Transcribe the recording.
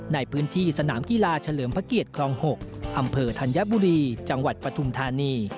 ในพื้นที่สนามกีฬาเฉลิมพระเกียรติคลอง๖อำเภอธัญบุรีจังหวัดปฐุมธานี